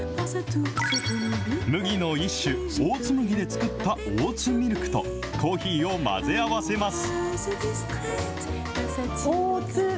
麦の一種、オーツ麦で作ったオーツミルクとコーヒーを混ぜ合わせます。